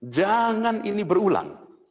jangan ini berulang